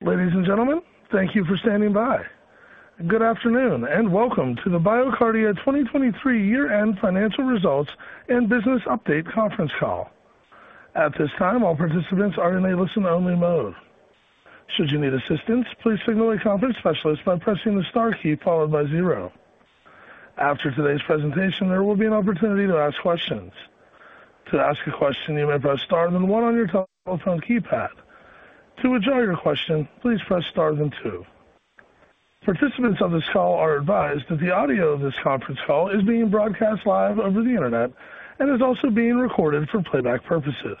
Ladies and gentlemen, thank you for standing by. Good afternoon, and welcome to the BioCardia 2023 Year-End Financial Results and Business Update Conference Call. At this time, all participants are in a listen-only mode. Should you need assistance, please signal a conference specialist by pressing the star key followed by zero. After today's presentation, there will be an opportunity to ask questions. To ask a question, you may press star then one on your telephone keypad. To withdraw your question, please press star then two. Participants of this call are advised that the audio of this conference call is being broadcast live over the Internet and is also being recorded for playback purposes.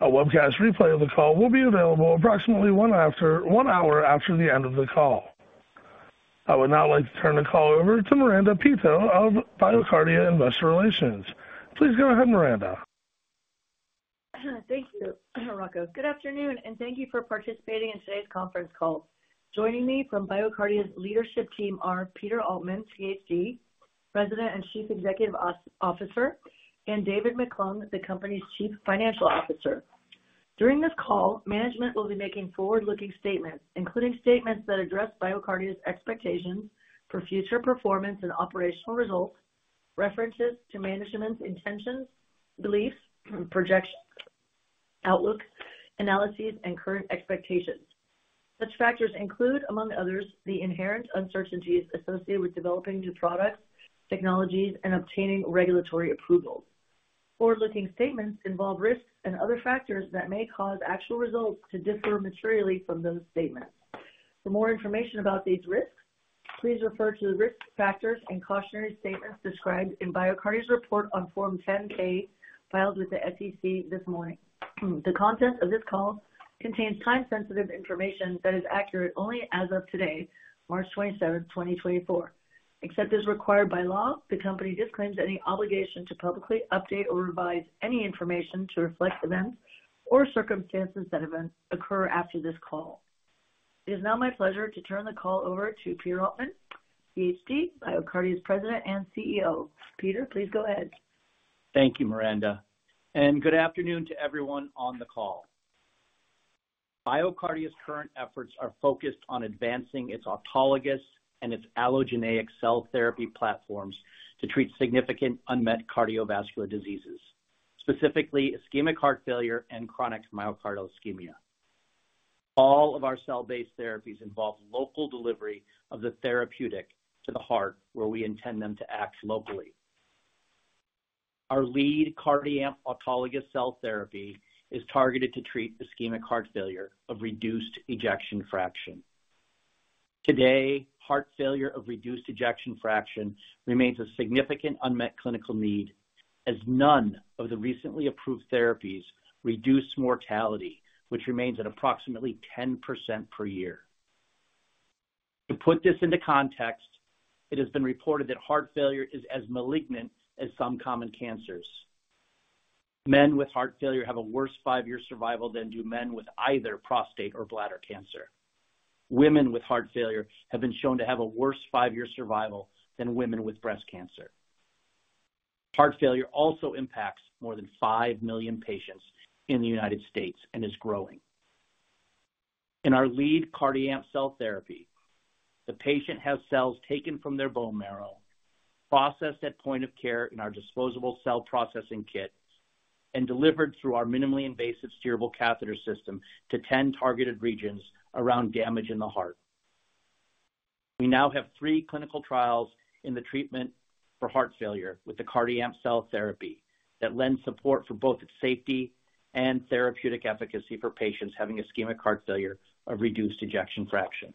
A webcast replay of the call will be available approximately one hour after the end of the call. I would now like to turn the call over to Miranda Peto of BioCardia Investor Relations. Please go ahead, Miranda. Thank you, Rocco. Good afternoon, and thank you for participating in today's conference call. Joining me from BioCardia's leadership team are Peter Altman, Ph.D., President and Chief Executive Officer, and David McClung, the company's Chief Financial Officer. During this call, management will be making forward-looking statements, including statements that address BioCardia's expectations for future performance and operational results, references to management's intentions, beliefs, projections, outlook, analyses, and current expectations. Such factors include, among others, the inherent uncertainties associated with developing new products, technologies, and obtaining regulatory approvals. Forward-looking statements involve risks and other factors that may cause actual results to differ materially from those statements. For more information about these risks, please refer to the risk factors and cautionary statements described in BioCardia's report on Form 10-K, filed with the SEC this morning. The content of this call contains time-sensitive information that is accurate only as of today, March 27, 2024. Except as required by law, the company disclaims any obligation to publicly update or revise any information to reflect events or circumstances that events occur after this call. It is now my pleasure to turn the call over to Peter Altman, Ph.D., BioCardia's President and CEO. Peter, please go ahead. Thank you, Miranda, and good afternoon to everyone on the call. BioCardia's current efforts are focused on advancing its autologous and its allogeneic cell therapy platforms to treat significant unmet cardiovascular diseases, specifically ischemic heart failure and chronic myocardial ischemia. All of our cell-based therapies involve local delivery of the therapeutic to the heart, where we intend them to act locally. Our lead CardiAMP autologous cell therapy is targeted to treat ischemic heart failure of reduced ejection fraction. Today, heart failure of reduced ejection fraction remains a significant unmet clinical need, as none of the recently approved therapies reduce mortality, which remains at approximately 10% per year. To put this into context, it has been reported that heart failure is as malignant as some common cancers. Men with heart failure have a worse five-year survival than do men with either prostate or bladder cancer. Women with heart failure have been shown to have a worse five-year survival than women with breast cancer. Heart failure also impacts more than 5 million patients in the United States and is growing. In our lead CardiAMP cell therapy, the patient has cells taken from their bone marrow, processed at point of care in our disposable cell processing kit, and delivered through our minimally invasive steerable catheter system to 10 targeted regions around damage in the heart. We now have three clinical trials in the treatment for heart failure with the CardiAMP cell therapy that lends support for both its safety and therapeutic efficacy for patients having ischemic heart failure or reduced ejection fraction.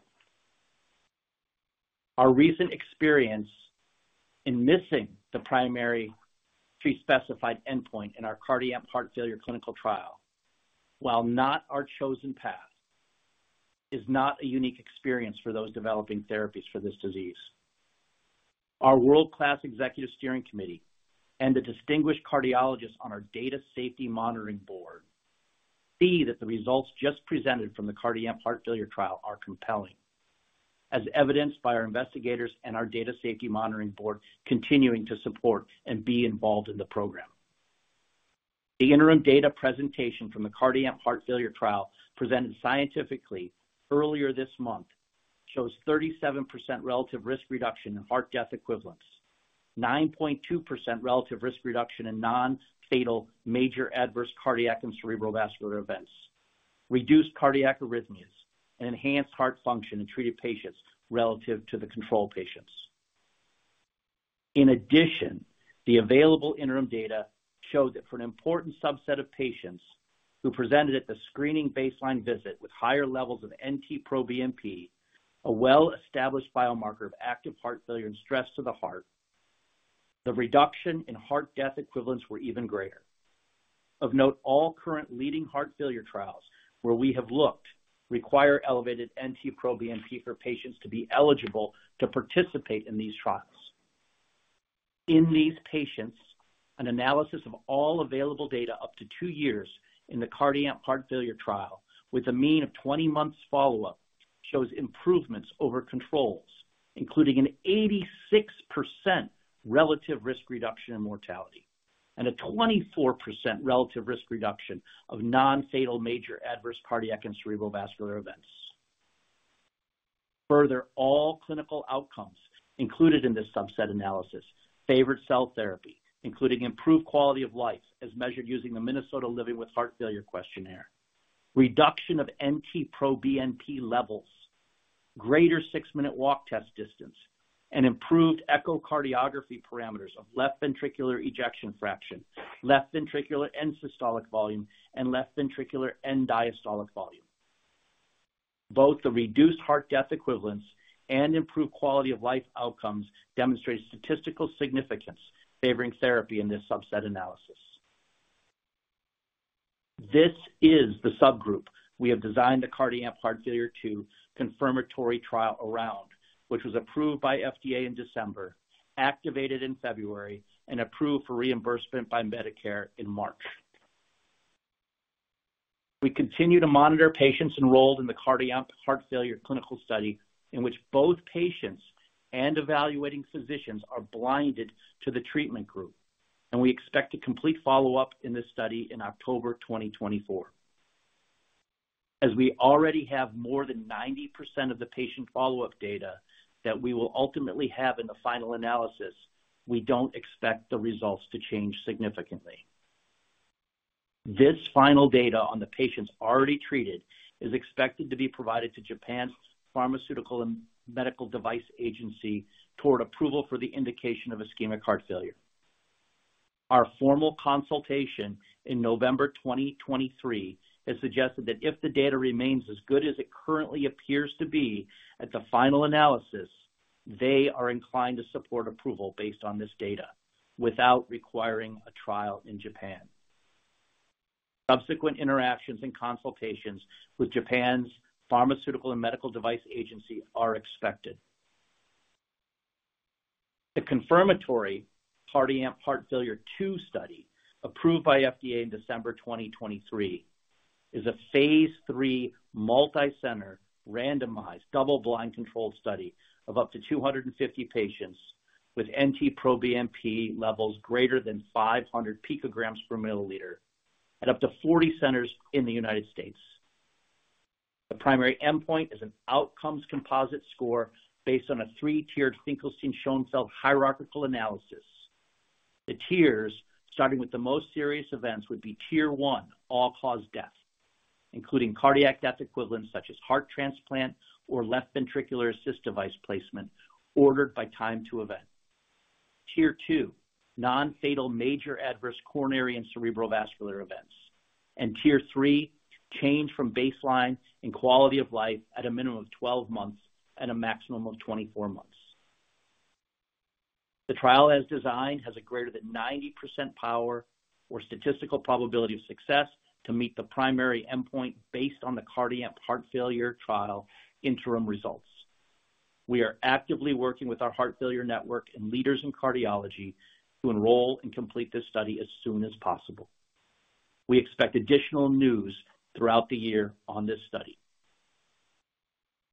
Our recent experience in missing the primary prespecified endpoint in our CardiAMP Heart Gailure clinical trial, while not our chosen path, is not a unique experience for those developing therapies for this disease. Our world-class Executive Steering Committee and the distinguished cardiologists on our Data Safety Monitoring Board see that the results just presented from the CardiAMP Heart Failure trial are compelling, as evidenced by our investigators and our Data Safety Monitoring Board continuing to support and be involved in the program. The interim data presentation from the CardiAMP Heart Failure trial, presented scientifically earlier this month, shows 37% relative risk reduction in heart death equivalents, 9.2% relative risk reduction in nonfatal, major adverse cardiac and cerebral vascular events, reduced cardiac arrhythmias, and enhanced heart function in treated patients relative to the control patients. In addition, the available interim data showed that for an important subset of patients who presented at the screening baseline visit with higher levels of NT-proBNP, a well-established biomarker of active heart failure and stress to the heart, the reduction in heart death equivalents were even greater. Of note, all current leading heart failure trials where we have looked require elevated NT-proBNP for patients to be eligible to participate in these trials. In these patients, an analysis of all available data up to two years in the CardiAMP Heart Failure trial, with a mean of 20 months follow-up, shows improvements over controls, including an 86% relative risk reduction in mortality and a 24% relative risk reduction of non-fatal major adverse cardiac and cerebral vascular events. Further, all clinical outcomes included in this subset analysis favored cell therapy, including improved quality of life, as measured using the Minnesota Living with Heart Failure Questionnaire, reduction of NT-proBNP levels, greater six-minute walk test distance, and improved echocardiography parameters of left ventricular ejection fraction, left ventricular end-systolic volume, and left ventricular end-diastolic volume. Both the reduced heart death equivalents and improved quality of life outcomes demonstrated statistical significance favoring therapy in this subset analysis. This is the subgroup we have designed the CardiAMP Heart Failure II confirmatory trial around, which was approved by FDA in December, activated in February, and approved for reimbursement by Medicare in March. We continue to monitor patients enrolled in the CardiAMP Heart Failure clinical study, in which both patients and evaluating physicians are blinded to the treatment group, and we expect to complete follow-up in this study in October 2024. As we already have more than 90% of the patient follow-up data that we will ultimately have in the final analysis, we don't expect the results to change significantly. This final data on the patients already treated is expected to be provided to Japan's Pharmaceuticals and Medical Devices Agency toward approval for the indication of ischemic heart failure. Our formal consultation in November 2023 has suggested that if the data remains as good as it currently appears to be at the final analysis, they are inclined to support approval based on this data without requiring a trial in Japan. Subsequent interactions and consultations with Japan's Pharmaceuticals and Medical Devices Agency are expected. The confirmatory CardiAMP Heart Failure II study, approved by FDA in December 2023, is a Phase III, multicenter, randomized, double-blind, controlled study of up to 250 patients with NT-proBNP levels greater than 500 picograms per milliliter at up to 40 centers in the United States. The primary endpoint is an outcomes composite score based on a three-tiered Finkelstein-Schoenfeld hierarchical analysis. The tiers, starting with the most serious events, would be tier one, all-cause death, including cardiac death equivalents such as heart transplant or left ventricular assist device placement, ordered by time to event. Tier two, non-fatal major adverse coronary and cerebral vascular events. Tier three, change from baseline and quality of life at a minimum of 12 months and a maximum of 24 months. The trial, as designed, has a greater than 90% power or statistical probability of success to meet the primary endpoint based on the CardiAMP heart failure trial interim results. We are actively working with our heart failure network and leaders in cardiology to enroll and complete this study as soon as possible. We expect additional news throughout the year on this study.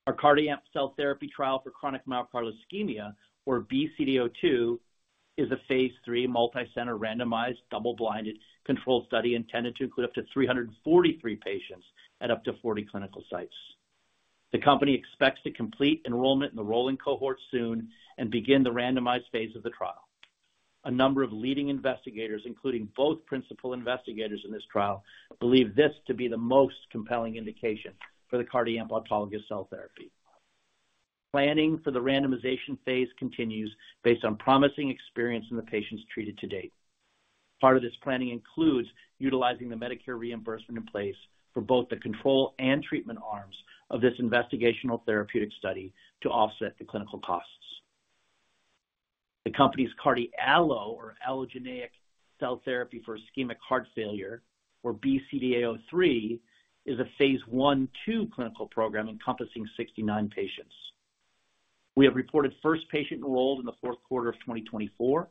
Our CardiAMP cell therapy trial for chronic myocardial ischemia, or BCDA-02, is a phase III, multicenter, randomized, double-blinded, controlled study intended to include up to 343 patients at up to 40 clinical sites. The company expects to complete enrollment in the rolling cohort soon and begin the randomized phase of the trial. A number of leading investigators, including both principal investigators in this trial, believe this to be the most compelling indication for the CardiAMP autologous cell therapy. Planning for the randomization phase continues based on promising experience in the patients treated to date. Part of this planning includes utilizing the Medicare reimbursement in place for both the control and treatment arms of this investigational therapeutic study to offset the clinical costs. The company's CardiALLO, or allogeneic cell therapy for ischemic heart failure, or BCDA-03, is a phase I/II clinical program encompassing 69 patients. We have reported first patient enrolled in the fourth quarter of 2024.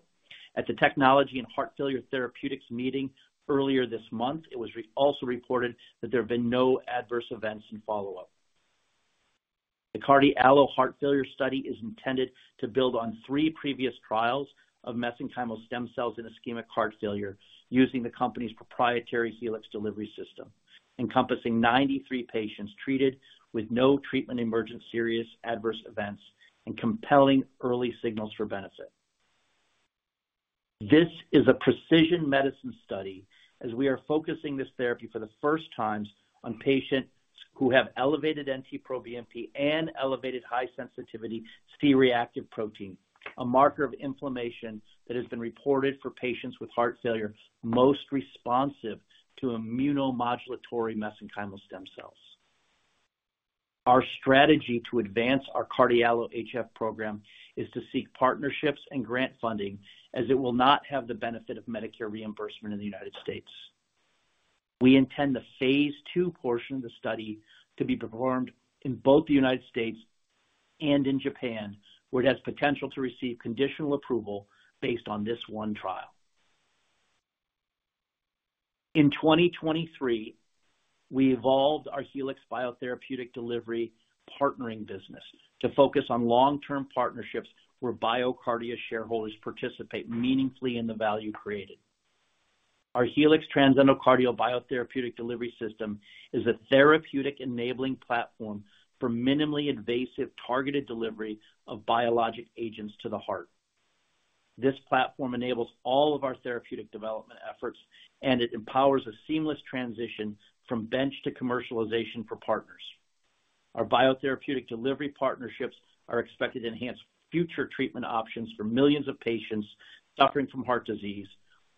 At the Technology and Heart Failure Therapeutics meeting earlier this month, it was also reported that there have been no adverse events in follow-up. The CardiALLO Heart Failure study is intended to build on three previous trials of mesenchymal stem cells in ischemic heart failure, using the company's proprietary Helix delivery system, encompassing 93 patients treated with no treatment-emergent serious adverse events and compelling early signals for benefit. This is a precision medicine study, as we are focusing this therapy for the first time on patients who have elevated NT-proBNP and elevated high-sensitivity C-reactive protein, a marker of inflammation that has been reported for patients with heart failure, most responsive to immunomodulatory mesenchymal stem cells. Our strategy to advance our CardiALLO HF program is to seek partnerships and grant funding, as it will not have the benefit of Medicare reimbursement in the United States. We intend the Phase II portion of the study to be performed in both the United States and in Japan, where it has potential to receive conditional approval based on this one trial. In 2023, we evolved our Helix biotherapeutic delivery partnering business to focus on long-term partnerships where BioCardia shareholders participate meaningfully in the value created. Our Helix transendocardial biotherapeutic delivery system is a therapeutic enabling platform for minimally invasive, targeted delivery of biologic agents to the heart. This platform enables all of our therapeutic development efforts, and it empowers a seamless transition from bench to commercialization for partners. Our biotherapeutic delivery partnerships are expected to enhance future treatment options for millions of patients suffering from heart disease,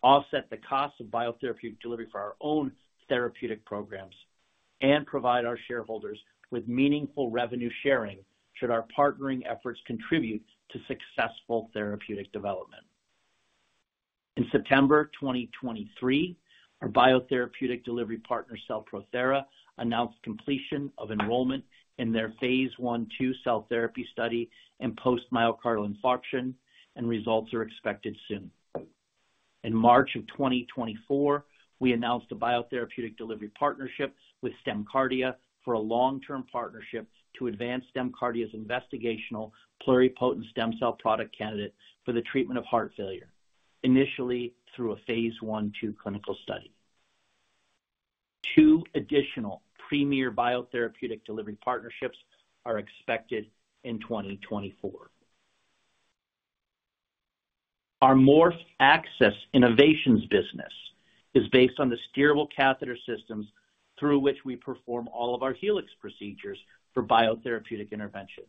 offset the cost of biotherapeutic delivery for our own therapeutic programs, and provide our shareholders with meaningful revenue sharing should our partnering efforts contribute to successful therapeutic development. In September 2023, our biotherapeutic delivery partner, CellProThera, announced completion of enrollment in their phase I, II cell therapy study in post-myocardial infarction, and results are expected soon. In March of 2024, we announced a biotherapeutic delivery partnership with StemCardia for a long-term partnership to advance StemCardia's investigational pluripotent stem cell product candidate for the treatment of heart failure, initially through a phase 1/2 clinical study. Two additional premier biotherapeutic delivery partnerships are expected in 2024. Our Morph access innovations business is based on the steerable catheter systems through which we perform all of our Helix procedures for biotherapeutic intervention.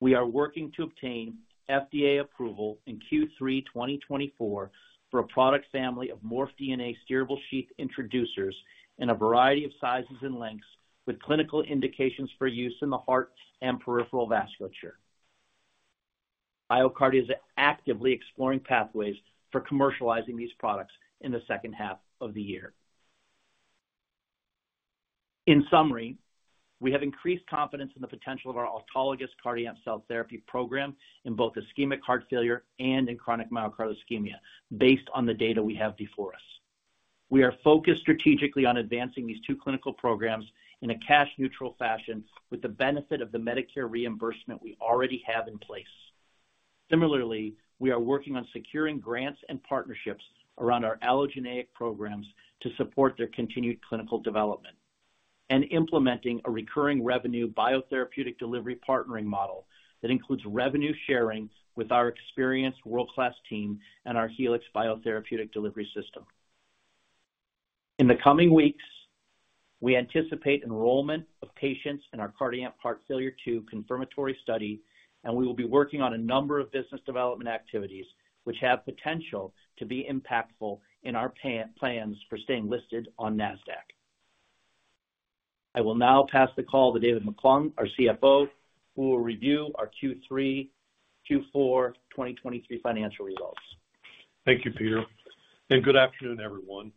We are working to obtain FDA approval in Q3 2024 for a product family of Morph DNA steerable sheath introducers in a variety of sizes and lengths, with clinical indications for use in the heart and peripheral vasculature. BioCardia is actively exploring pathways for commercializing these products in the second half of the year. In summary, we have increased confidence in the potential of our autologous CardiAMP cell therapy program in both ischemic heart failure and in chronic myocardial ischemia, based on the data we have before us. We are focused strategically on advancing these two clinical programs in a cash neutral fashion, with the benefit of the Medicare reimbursement we already have in place. Similarly, we are working on securing grants and partnerships around our allogeneic programs to support their continued clinical development and implementing a recurring revenue biotherapeutic delivery partnering model that includes revenue sharing with our experienced world-class team and our Helix biotherapeutic delivery system. In the coming weeks, we anticipate enrollment of patients in our CardiAMP Heart Failure II confirmatory study, and we will be working on a number of business development activities which have potential to be impactful in our plans for staying listed on Nasdaq. I will now pass the call to David McClung, our CFO, who will review our Q3, Q4 2023 financial results. Thank you, Peter, and good afternoon, everyone.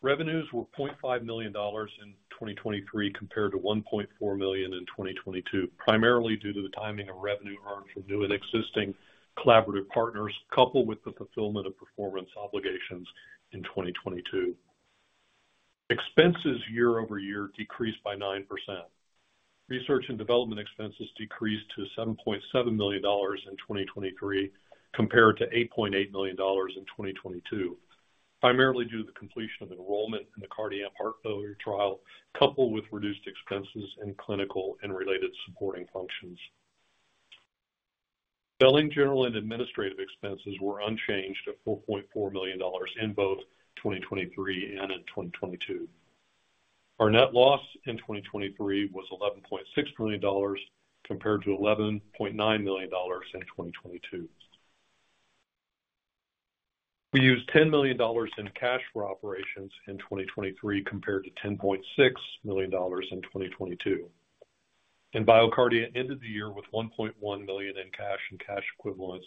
Revenues were $0.5 million in 2023, compared to $1.4 million in 2022, primarily due to the timing of revenue earned from new and existing collaborative partners, coupled with the fulfillment of performance obligations in 2022. Expenses year-over-year decreased by 9%. Research and development expenses decreased to $7.7 million in 2023, compared to $8.8 million in 2022, primarily due to the completion of enrollment in the CardiAMP heart failure trial, coupled with reduced expenses in clinical and related supporting functions. Selling, general, and administrative expenses were unchanged at $4.4 million in both 2023 and in 2022. Our net loss in 2023 was $11.6 million, compared to $11.9 million in 2022. We used $10 million in cash for operations in 2023, compared to $10.6 million in 2022, and BioCardia ended the year with $1.1 million in cash and cash equivalents,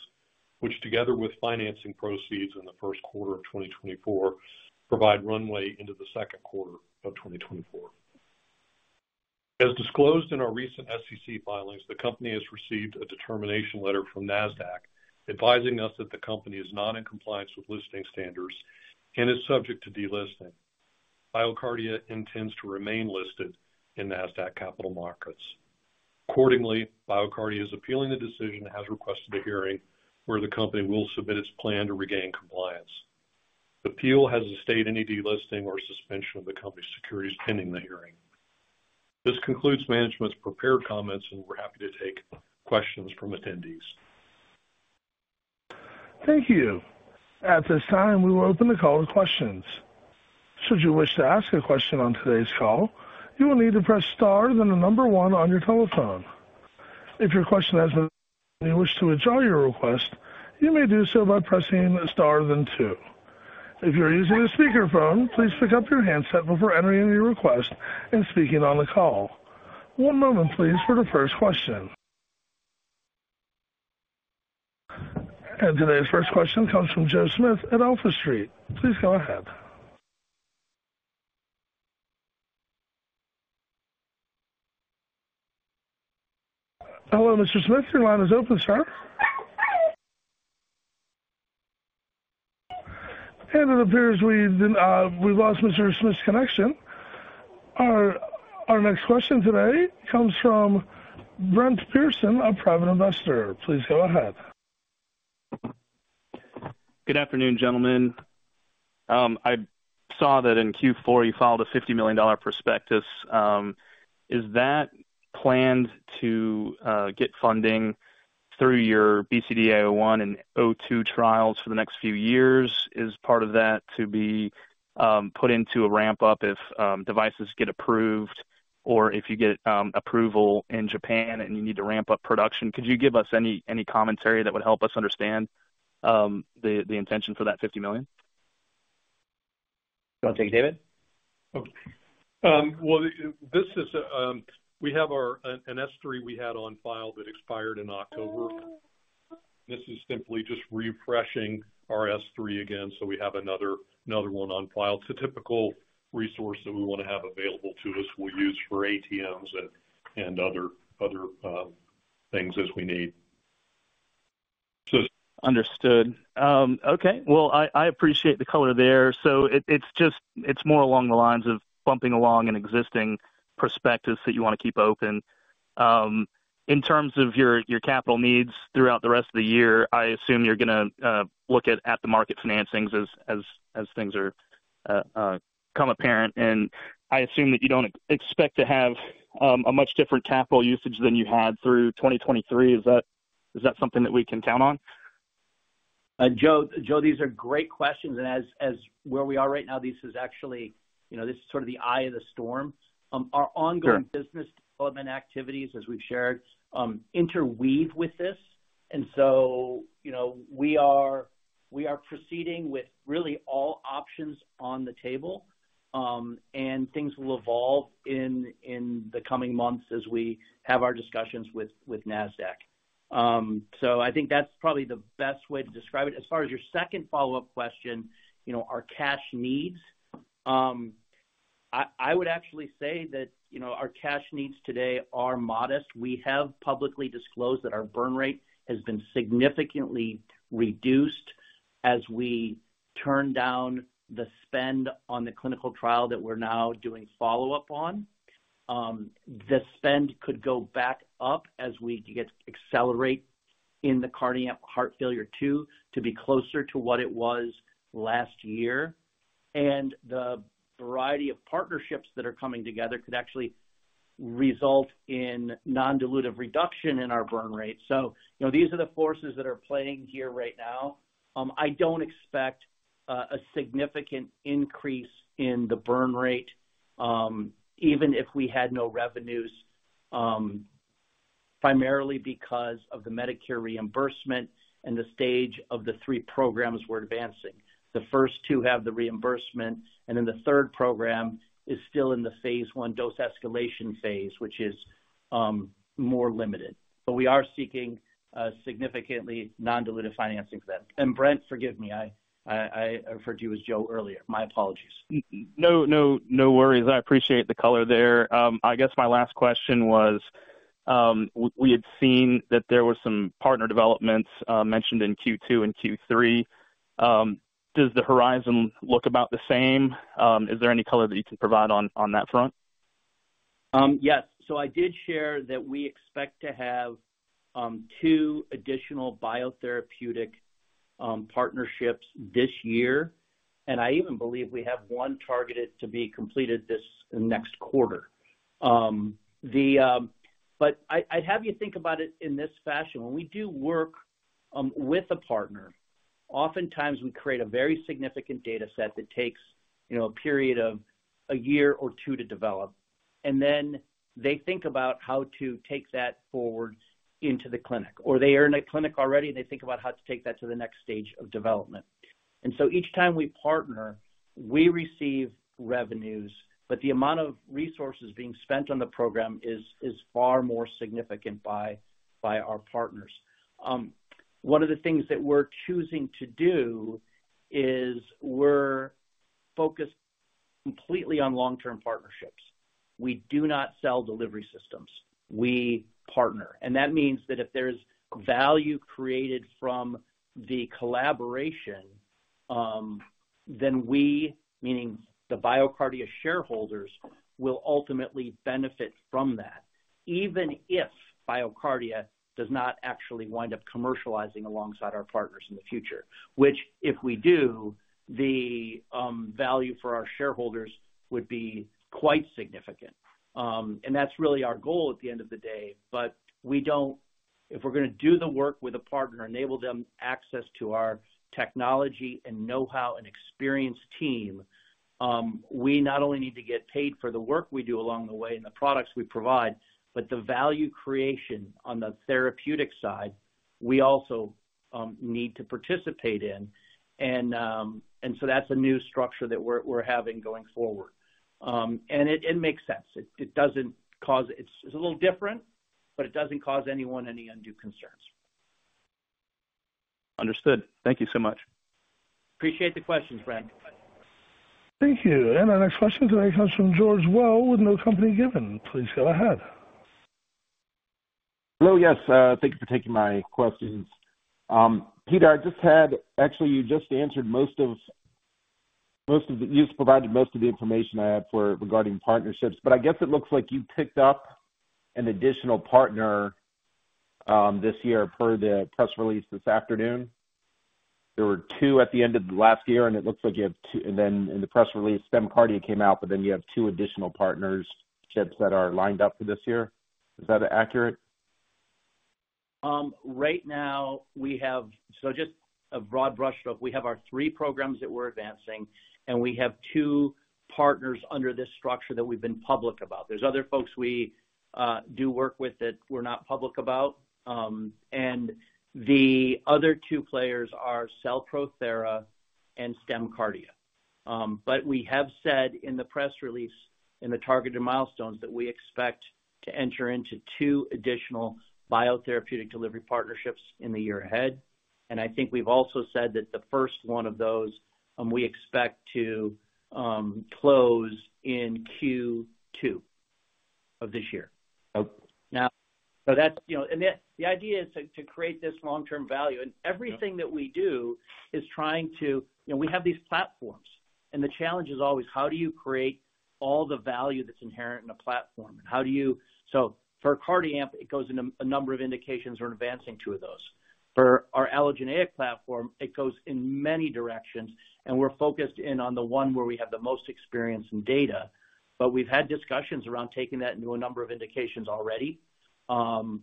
which, together with financing proceeds in the first quarter of 2024, provide runway into the second quarter of 2024. As disclosed in our recent SEC filings, the company has received a determination letter from Nasdaq advising us that the company is not in compliance with listing standards and is subject to delisting. BioCardia intends to remain listed in Nasdaq capital markets. Accordingly, BioCardia is appealing the decision and has requested a hearing where the company will submit its plan to regain compliance. The appeal stays any delisting or suspension of the company's securities pending the hearing. This concludes management's prepared comments, and we're happy to take questions from attendees. Thank you. At this time, we will open the call to questions. Should you wish to ask a question on today's call, you will need to press star, then the number one on your telephone. If your question has been, and you wish to withdraw your request, you may do so by pressing star, then two. If you're using a speakerphone, please pick up your handset before entering your request and speaking on the call. One moment, please, for the first question. And today's first question comes from Joe Smith at AlphaStreet. Please go ahead. Hello, Mr. Smith, your line is open, sir. And it appears we did, we've lost Mr. Smith's connection. Our next question today comes from Brent Pearson, a private investor. Please go ahead. Good afternoon, gentlemen. I saw that in Q4, you filed a $50 million prospectus. Is that planned to get funding through your BCDA-01 and BCDA-02 trials for the next few years? Is part of that to be put into a ramp-up if devices get approved, or if you get approval in Japan and you need to ramp up production? Could you give us any commentary that would help us understand the intention for that $50 million? You want to take it, David? Okay. Well, this is, we have our an S3 we had on file that expired in October. This is simply just refreshing our S3 again, so we have another, another one on file. It's a typical resource that we want to have available to us. We'll use for ATMs and, and other, other things as we need. Understood. Okay. Well, I appreciate the color there. So it's just. It's more along the lines of bumping along an existing prospectus that you want to keep open. In terms of your capital needs throughout the rest of the year, I assume you're gonna look at the market financings as things become apparent. And I assume that you don't expect to have a much different capital usage than you had through 2023. Is that something that we can count on? So Joe, these are great questions, and as where we are right now, this is actually, you know, this is sort of the eye of the storm. Our ongoing business development activities, as we've shared, interweave with this. And so, you know, we are, we are proceeding with really all options on the table, and things will evolve in, in the coming months as we have our discussions with, with Nasdaq. So I think that's probably the best way to describe it. As far as your second follow-up question, you know, our cash needs. I would actually say that, you know, our cash needs today are modest. We have publicly disclosed that our burn rate has been significantly reduced as we turn down the spend on the clinical trial that we're now doing follow-up on. The spend could go back up as we get accelerate in the CardiAMP Heart Failure II, to be closer to what it was last year, and the variety of partnerships that are coming together could actually result in non-dilutive reduction in our burn rate. So, you know, these are the forces that are playing here right now. I don't expect a significant increase in the burn rate, even if we had no revenues, primarily because of the Medicare reimbursement and the stage of the three programs we're advancing. The first two have the reimbursement, and then the third program is still in the phase one dose escalation phase, which is more limited. But we are seeking significantly non-dilutive financing for them. And Brent, forgive me, I referred to you as Joe earlier. My apologies. No, no worries. I appreciate the color there. I guess my last question was, we had seen that there were some partner developments mentioned in Q2 and Q3. Does the horizon look about the same? Is there any color that you can provide on that front? Yes. So I did share that we expect to have two additional biotherapeutic partnerships this year, and I even believe we have one targeted to be completed this next quarter. But I'd have you think about it in this fashion. When we do work with a partner, oftentimes we create a very significant data set that takes, you know, a period of a year or two to develop, and then they think about how to take that forward into the clinic, or they are in a clinic already, and they think about how to take that to the next stage of development. And so each time we partner, we receive revenues, but the amount of resources being spent on the program is far more significant by our partners. One of the things that we're choosing to do is we're focused completely on long-term partnerships. We do not sell delivery systems. We partner, and that means that if there's value created from the collaboration, then we, meaning the BioCardia shareholders, will ultimately benefit from that, even if BioCardia does not actually wind up commercializing alongside our partners in the future. Which, if we do, the value for our shareholders would be quite significant. And that's really our goal at the end of the day. But we don't. If we're gonna do the work with a partner, enable them access to our technology and know-how and experienced team, we not only need to get paid for the work we do along the way and the products we provide, but the value creation on the therapeutic side, we also need to participate in. And so that's a new structure that we're having going forward. And it makes sense. It doesn't cause. It's a little different, but it doesn't cause anyone any undue concerns. Understood. Thank you so much. Appreciate the question, Frank. Thank you. And our next question today comes from George Melas, with no company given. Please go ahead. Hello. Yes, thank you for taking my questions. Peter, I just had—actually, you just answered most of the, you've provided most of the information I had for regarding partnerships. But I guess it looks like you've picked up an additional partner, this year per the press release this afternoon. There were two at the end of last year, and it looks like you have two... And then in the press release, StemCardia came out, but then you have two additional partnerships that are lined up for this year. Is that accurate? Right now, we have, so just a broad brushstroke. We have our three programs that we're advancing, and we have two partners under this structure that we've been public about. There's other folks we do work with that we're not public about. And the other two players are CellProThera and StemCardia. But we have said in the press release, in the targeted milestones, that we expect to enter into two additional biotherapeutic delivery partnerships in the year ahead. And I think we've also said that the first one of those, we expect to close in Q2 of this year. Okay. Now, so that's, you know. And the idea is to create this long-term value, and everything you know, we have these platforms, and the challenge is always how do you create all the value that's inherent in a platform? And how do you— So for CardiAMP, it goes into a number of indications, we're advancing two of those. For our allogeneic platform, it goes in many directions, and we're focused in on the one where we have the most experience and data. But we've had discussions around taking that into a number of indications already. And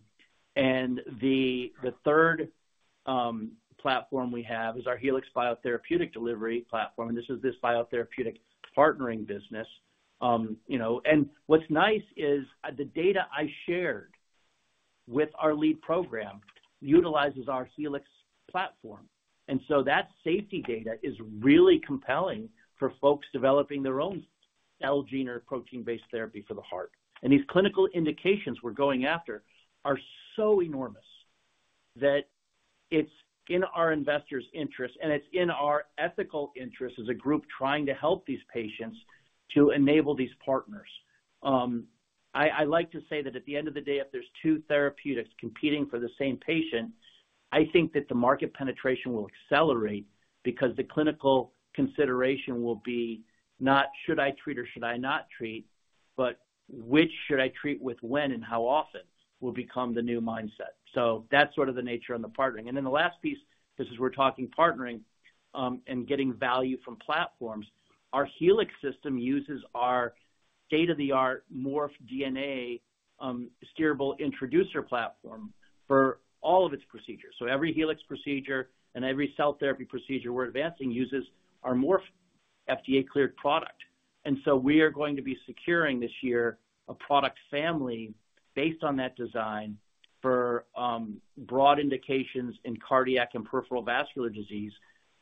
the third platform we have is our Helix biotherapeutic delivery platform, and this is this biotherapeutic partnering business. You know, and what's nice is, the data I shared with our lead program utilizes our Helix platform, and so that safety data is really compelling for folks developing their own allogeneic or protein-based therapy for the heart. These clinical indications we're going after are so enormous that it's in our investors' interest, and it's in our ethical interest as a group trying to help these patients, to enable these partners. I like to say that at the end of the day, if there's two therapeutics competing for the same patient, I think that the market penetration will accelerate because the clinical consideration will be not, Should I treat or should I not treat? But which should I treat with, when and how often, will become the new mindset. So that's sort of the nature of the partnering. And then the last piece, because as we're talking partnering, and getting value from platforms, our Helix system uses our state-of-the-art Morph DNA steerable introducer platform for all of its procedures. So every Helix procedure and every cell therapy procedure we're advancing uses our Morph FDA-cleared product. And so we are going to be securing this year a product family based on that design for broad indications in cardiac and peripheral vascular disease.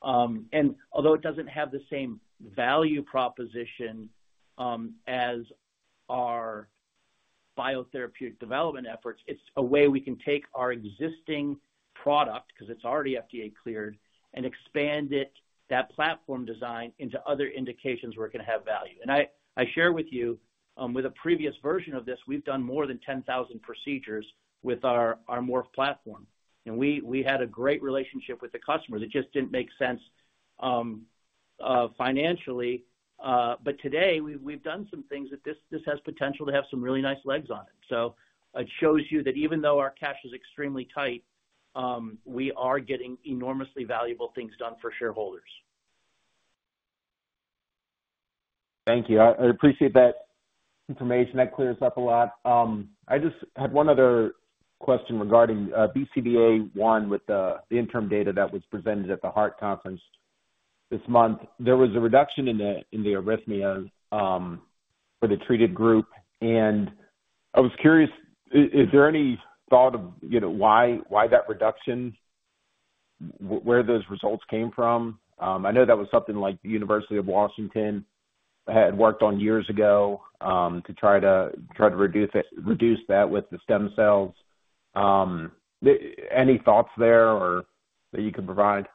And although it doesn't have the same value proposition as our biotherapeutic development efforts, it's a way we can take our existing product, because it's already FDA-cleared, and expand it, that platform design, into other indications where it can have value. And I share with you with a previous version of this, we've done more than 10,000 procedures with our Morph platform, and we had a great relationship with the customer. That just didn't make sense financially. But today, we've done some things that this has potential to have some really nice legs on it. So it shows you that even though our cash is extremely tight, we are getting enormously valuable things done for shareholders. Thank you. I appreciate that information. That clears up a lot. I just had one other question regarding BCDA-01, with the interim data that was presented at the Heart Conference this month. There was a reduction in the arrhythmia for the treated group, and I was curious, is there any thought of, you know, why that reduction, where those results came from? I know that was something like the University of Washington had worked on years ago, to try to reduce it, reduce that with the stem cells. Any thoughts there or that you can provide?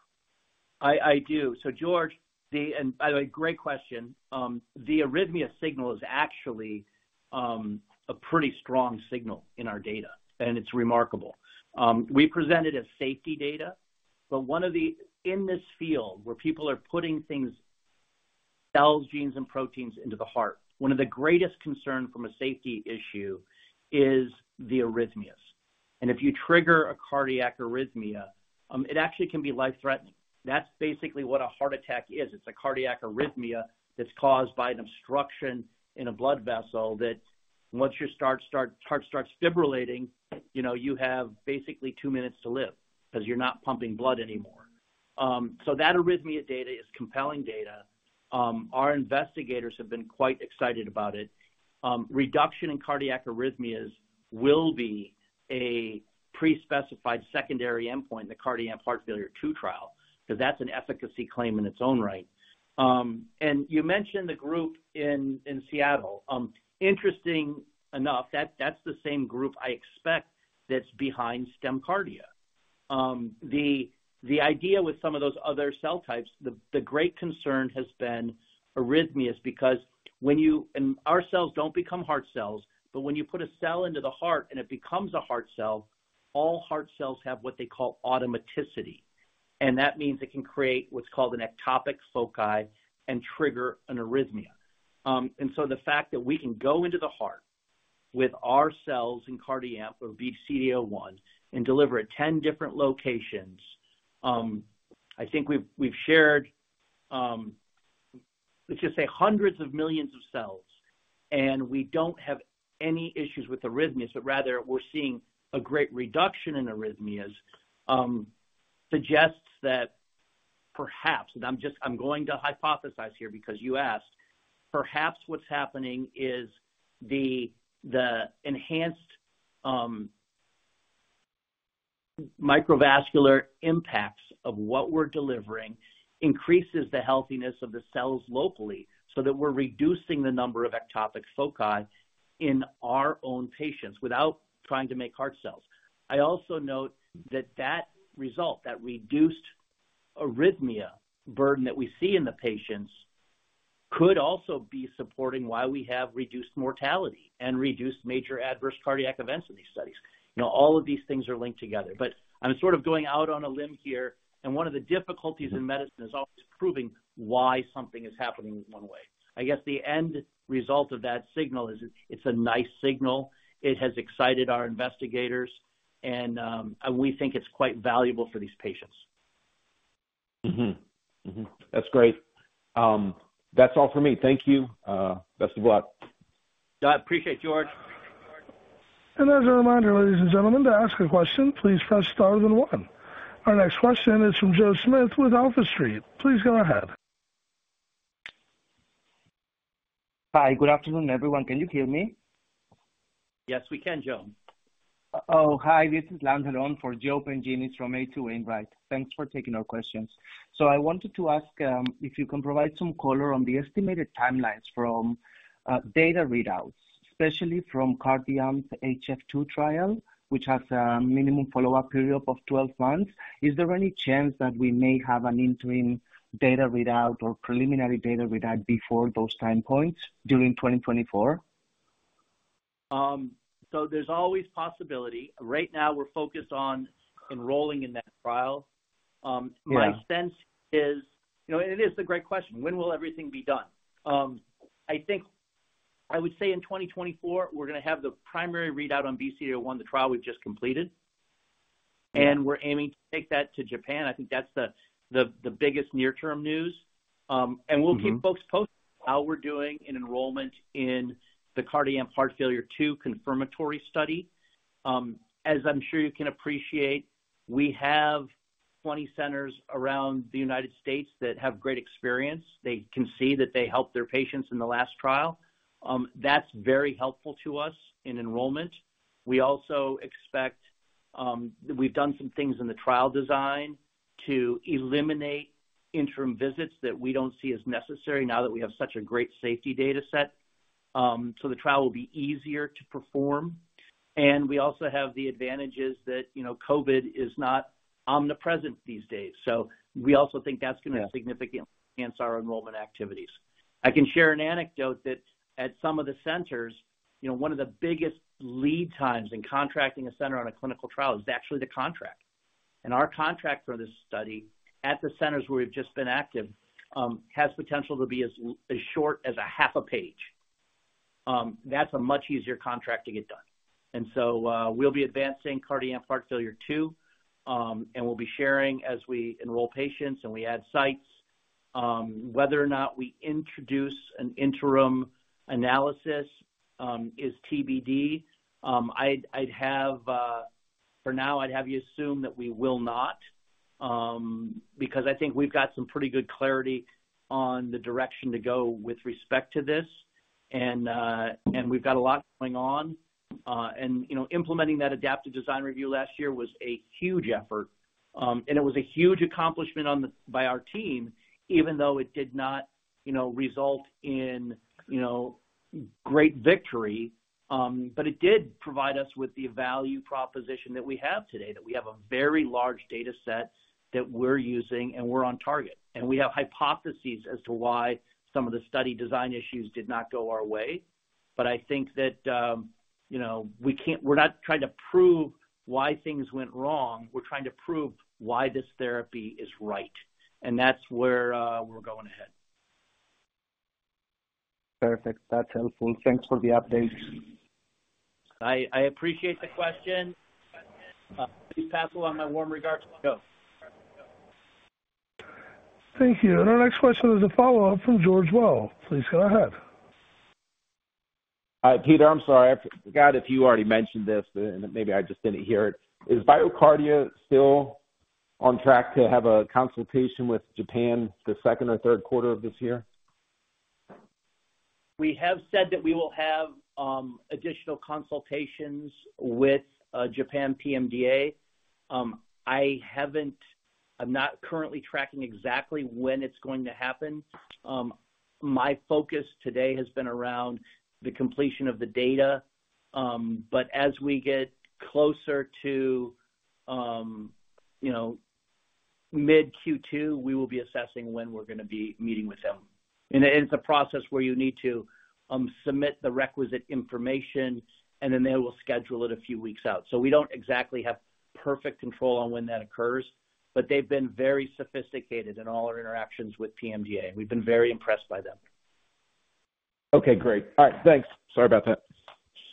I do. So George, and by the way, great question. The arrhythmia signal is actually a pretty strong signal in our data, and it's remarkable. We presented safety data, but one of the—in this field where people are putting things, cells, genes, and proteins into the heart, one of the greatest concern from a safety issue is the arrhythmias. And if you trigger a cardiac arrhythmia, it actually can be life-threatening. That's basically what a heart attack is. It's a cardiac arrhythmia that's caused by an obstruction in a blood vessel, that once your heart starts fibrillating, you know, you have basically two minutes to live because you're not pumping blood anymore. So that arrhythmia data is compelling data. Our investigators have been quite excited about it. Reduction in cardiac arrhythmias will be a pre-specified secondary endpoint in the CardiAMP Heart Failure II trial. Because that's an efficacy claim in its own right. And you mentioned the group in Seattle. Interesting enough, that's the same group I expect that's behind StemCardia. The idea with some of those other cell types, the great concern has been arrhythmias, because when you and our cells don't become heart cells, but when you put a cell into the heart and it becomes a heart cell, all heart cells have what they call automaticity, and that means it can create what's called an ectopic foci and trigger an arrhythmia. And so the fact that we can go into the heart with our cells in CardiAMP or BCDA-01 and deliver it 10 different locations, I think we've shared, let's just say hundreds of millions of cells, and we don't have any issues with arrhythmias, but rather we're seeing a great reduction in arrhythmias, suggests that perhaps, and I'm just, I'm going to hypothesize here because you asked, perhaps what's happening is the enhanced microvascular impacts of what we're delivering increases the healthiness of the cells locally, so that we're reducing the number of ectopic foci in our own patients without trying to make heart cells. I also note that that result, that reduced arrhythmia burden that we see in the patients, could also be supporting why we have reduced mortality and reduced major adverse cardiac events in these studies. You know, all of these things are linked together. But I'm sort of going out on a limb here, and one of the difficulties in medicine is always proving why something is happening in one way. I guess the end result of that signal is it's a nice signal. It has excited our investigators, and, and we think it's quite valuable for these patients. That's great. That's all for me. Thank you. Best of luck. I appreciate, George. As a reminder, ladies and gentlemen, to ask a question, please press star then one. Our next question is from Joe Smith with AlphaStreet. Please go ahead. Hi, good afternoon, everyone. Can you hear me? Yes, we can, Joe. Oh, hi, this is Lan Halon for Joe Pantginis from H.C. Wainwright. Thanks for taking our questions. So I wanted to ask, if you can provide some color on the estimated timelines from, data readouts, especially from CardiAMP's HF-2 trial, which has a minimum follow-up period of 12 months. Is there any chance that we may have an interim data readout or preliminary data readout before those time points during 2024? So there's always possibility. Right now, we're focused on enrolling in that trial. Yeah. My sense is... You know, and it is a great question, when will everything be done? I think I would say in 2024, we're going to have the primary readout on BCDA-01, the trial we've just completed. Yeah. We're aiming to take that to Japan. I think that's the biggest near-term news. We'll keep folks posted how we're doing in enrollment in the CardiAMP Heart Failure II confirmatory study. As I'm sure you can appreciate, we have 20 centers around the United States that have great experience. They can see that they helped their patients in the last trial. That's very helpful to us in enrollment. We also expect. We've done some things in the trial design to eliminate interim visits that we don't see as necessary now that we have such a great safety data set. The trial will be easier to perform. We also have the advantages that, you know, COVID is not omnipresent these days, so we also think that's gonna significantly enhance our enrollment activities. I can share an anecdote that at some of the centers, you know, one of the biggest lead times in contracting a center on a clinical trial is actually the contract. And our contract for this study, at the centers where we've just been active, has potential to be as short as a half a page. That's a much easier contract to get done. And so, we'll be advancing CardiAMP Heart Failure II, and we'll be sharing as we enroll patients and we add sites. Whether or not we introduce an interim analysis, is TBD. For now, I'd have you assume that we will not, because I think we've got some pretty good clarity on the direction to go with respect to this, and we've got a lot going on. You know, implementing that adaptive design review last year was a huge effort, and it was a huge accomplishment on the by our team, even though it did not, you know, result in, you know, great victory. But it did provide us with the value proposition that we have today, that we have a very large data set that we're using, and we're on target. And we have hypotheses as to why some of the study design issues did not go our way. But I think that, you know, we can't, we're not trying to prove why things went wrong, we're trying to prove why this therapy is right. And that's where, we're going ahead. Perfect. That's helpful. Thanks for the update. I appreciate the question. Please pass along my warm regards to Joe. Thank you. And our next question is a follow-up from George Melas. Please go ahead. Peter, I'm sorry. I forgot if you already mentioned this, and maybe I just didn't hear it. Is BioCardia still on track to have a consultation with Japan the second or third quarter of this year? We have said that we will have additional consultations with Japan PMDA. I haven't—I'm not currently tracking exactly when it's going to happen. My focus today has been around the completion of the data, but as we get closer to you know, mid-Q2, we will be assessing when we're going to be meeting with them. It's a process where you need to submit the requisite information, and then they will schedule it a few weeks out. We don't exactly have perfect control on when that occurs, but they've been very sophisticated in all our interactions with PMDA. We've been very impressed by them. Okay, great. All right, thanks. Sorry about that.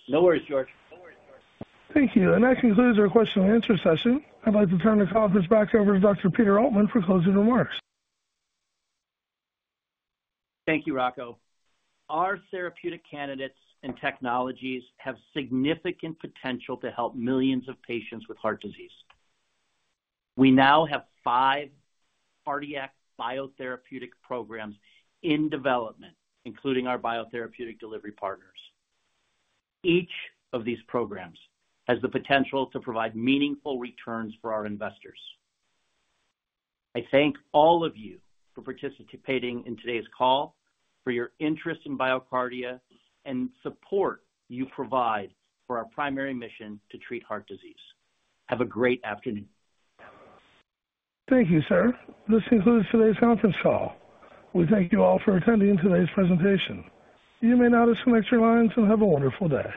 No worries, George. No worries, George. Thank you. That concludes our question and answer session. I'd like to turn this conference back over to Dr. Peter Altman for closing remarks. Thank you, Rocco. Our therapeutic candidates and technologies have significant potential to help millions of patients with heart disease. We now have five cardiac biotherapeutic programs in development, including our biotherapeutic delivery partners. Each of these programs has the potential to provide meaningful returns for our investors. I thank all of you for participating in today's call, for your interest in BioCardia, and support you provide for our primary mission to treat heart disease. Have a great afternoon. Thank you, sir. This concludes today's conference call. We thank you all for attending today's presentation. You may now disconnect your lines and have a wonderful day.